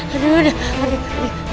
aduh aduh aduh